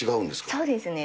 そうですね。